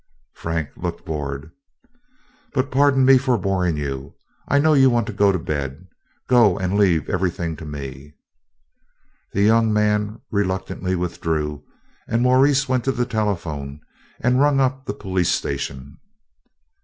Frank looked bored. "But pardon me for boring you. I know you want to go to bed. Go and leave everything to me." The young man reluctantly withdrew, and Maurice went to the telephone and rung up the police station.